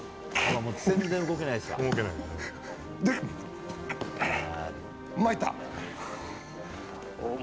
全然動けないですわ。